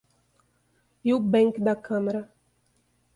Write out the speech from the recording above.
Ewbank da Câmara